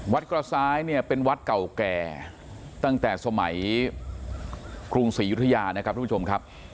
วัดกระซ้ายเนี่ยเป็นวัดเก่าแก่ตั้งแต่สมัยกรุงศรียุธยานะครับทุกผู้ชมครับ